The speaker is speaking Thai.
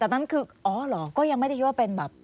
แต่นั้นคืออ๋อเหรอก็ยังไม่ได้คิดว่าเป็นแบบ